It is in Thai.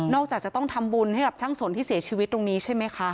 จากจะต้องทำบุญให้กับช่างสนที่เสียชีวิตตรงนี้ใช่ไหมคะ